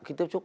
khi tiếp xúc